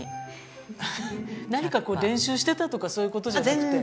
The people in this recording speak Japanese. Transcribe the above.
何か練習してたとかそういう事じゃなくて？